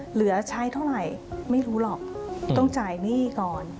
เหลือใช้เท่าไหร่ไม่รู้หรอกต้องจ่ายหนี้ก่อน